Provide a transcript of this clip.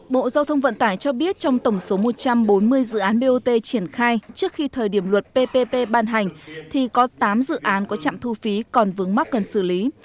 bộ giao thông vận tải cho biết trong tổng số một trăm bốn mươi dự án bot triển khai trước khi thời điểm luật ppp ban hành thì có tám dự án có trạm thu phí còn vướng mắt cần xử lý